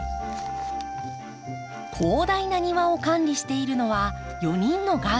広大な庭を管理しているのは４人のガーデナー。